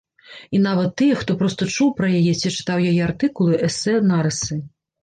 І нават тыя, хто проста чуў пра яе ці чытаў яе артыкулы, эсэ, нарысы.